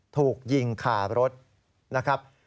ถูกยิงขารถนะครับ